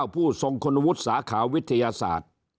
ผู้ทรงคุณวุฒิสาขาวิทยาศาสตร์